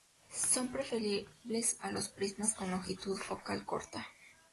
Son preferibles a los prismas con longitud focal corta.